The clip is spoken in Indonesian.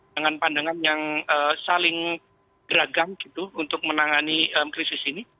dengan pandangan yang saling beragam gitu untuk menangani krisis ini